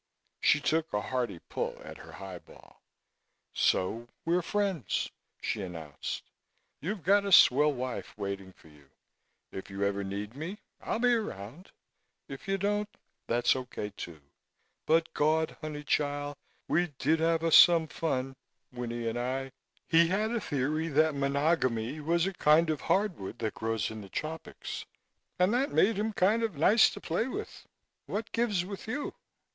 She took a hearty pull at her highball. "So we're friends," she announced. "You've got a swell wife waiting for you. If you ever need me, I'll be around. If you don't, that's okay too. But Gawd, honeychile, we did have us some fun Winnie and I. He had a theory that monogamy was a kind of hardwood that grows in the tropics, and that made him kind of nice to play with. What gives with you?"